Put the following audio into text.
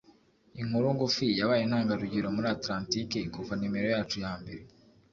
Inkuru ngufi yabaye intangarugero muri Atlantike kuva nimero yacu ya mbere